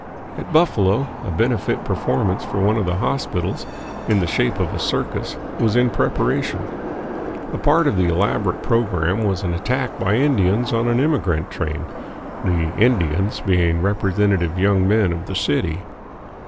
At Buffalo, a benefit performance for one of the hospitals, in the shape of a circus, was in preparation. A part of the elaborate program was an attack by Indians on an emigrant train, the "Indians" being representative young men of the city.